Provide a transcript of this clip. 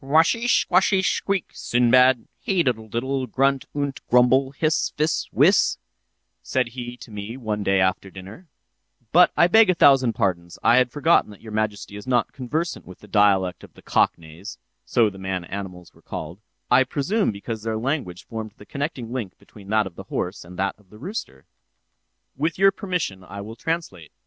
"'Washish squashish squeak, Sinbad, hey diddle diddle, grunt unt grumble, hiss, fiss, whiss,' said he to me, one day after dinner—but I beg a thousand pardons, I had forgotten that your majesty is not conversant with the dialect of the Cock neighs (so the man animals were called; I presume because their language formed the connecting link between that of the horse and that of the rooster). With your permission, I will translate.